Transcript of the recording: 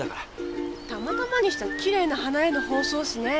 たまたまにしてはきれいな花屋の包装紙ねぇ。